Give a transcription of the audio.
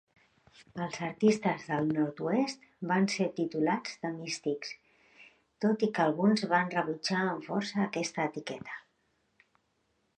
Els artistes del nord-oest van ser titllats de místics, tot i que alguns van rebutjar amb força aquesta etiqueta.